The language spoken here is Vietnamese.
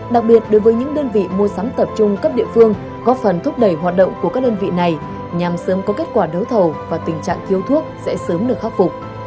đặc biệt đối với những đơn vị mua sắm tập trung cấp địa phương góp phần thúc đẩy hoạt động của các đơn vị này nhằm sớm có kết quả đấu thầu và tình trạng thiếu thuốc sẽ sớm được khắc phục